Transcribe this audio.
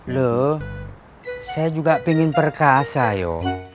lu saya juga pengen perkasa yo